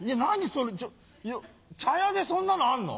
それ茶屋でそんなのあんの？